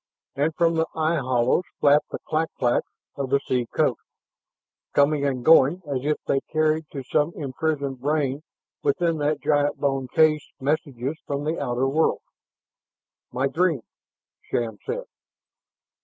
And from the eye hollows flapped the clak claks of the sea coast, coming and going as if they carried to some imprisoned brain within that giant bone case messages from the outer world. "My dream " Shann said.